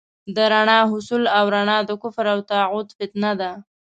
د رڼا حصول او رڼا د کفر او طاغوت فتنه ده.